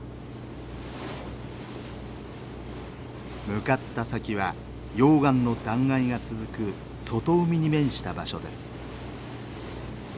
向かった先は溶岩の断崖が続く外海に面した場所です。